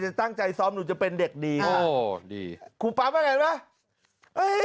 ตั้งใจซ้อมหนูจะเป็นเด็กดีค่ะโอ้ดีครูปั๊มอะไรป่ะเอ้ย